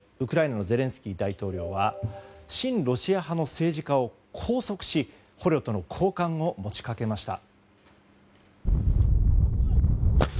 そのロシアに対してウクライナのゼレンスキー大統領は親ロシア派の政治家を拘束し捕虜との交換を持ちかけました。